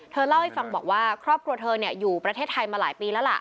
เล่าให้ฟังบอกว่าครอบครัวเธออยู่ประเทศไทยมาหลายปีแล้วล่ะ